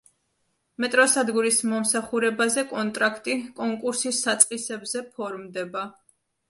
მეტროსადგურის მომსახურებაზე კონტრაქტი კონკურსის საწყისებზე ფორმდება.